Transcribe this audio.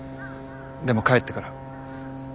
でも帰ってから。